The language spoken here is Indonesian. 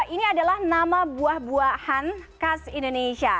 ini adalah nama buah buahan khas indonesia